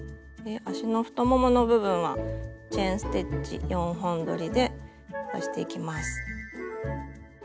足の太ももの部分はチェーン・ステッチ４本どりで刺していきます。